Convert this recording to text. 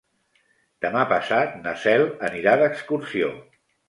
Demà passat na Cel anirà d'excursió.